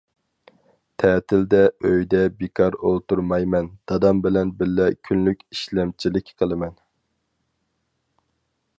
تەتىلدە ئۆيدە بىكار ئولتۇرمايمەن دادام بىلەن بىللە كۈنلۈك ئىشلەمچىلىك قىلىمەن.